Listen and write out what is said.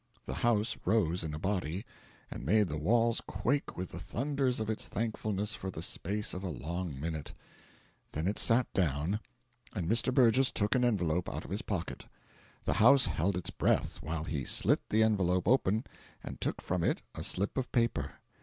The house rose in a body and made the walls quake with the thunders of its thankfulness for the space of a long minute. Then it sat down, and Mr. Burgess took an envelope out of his pocket. The house held its breath while he slit the envelope open and took from it a slip of paper.